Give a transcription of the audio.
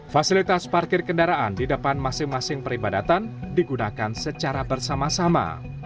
fasilitas parkir kendaraan di depan masing masing peribadatan digunakan secara bersama sama